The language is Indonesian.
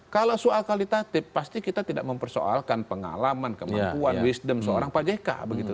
kalau soal kualitatif pasti kita tidak mempersoalkan pengalaman kemampuan wisdom seorang pak jk begitu